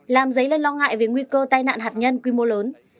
làm dấy lên lo ngại về nguy cơ tai nạn hạt nhân quy mô lớn